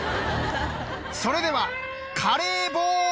それではカレーボール！